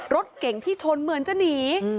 รถเก่งที่ชนเหมือนจะหนี